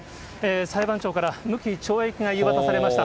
裁判長から、無期懲役が言い渡されました。